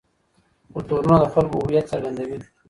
کلتورونه د خلکو هویت څرګندوي.